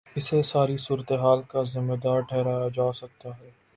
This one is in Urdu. اسے ساری صورت حال کا ذمہ دار ٹھہرایا جا سکتا ہے۔